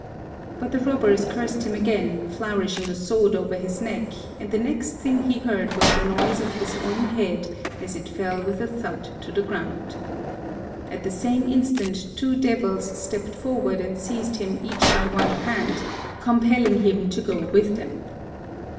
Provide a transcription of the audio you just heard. But the robbers cursed him again, flourishing a sword over his neck, and the next thing he heard was the noise of his own head as it fell with a thud to the ground. At the same instant two devils stepped forward and seized him each by one hand, compelling him to go with them.